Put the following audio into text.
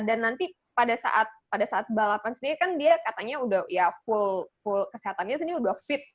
dan nanti pada saat balapan sendiri kan dia katanya udah ya full kesehatannya sendiri udah fit